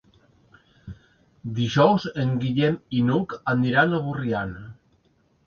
Dijous en Guillem i n'Hug aniran a Borriana.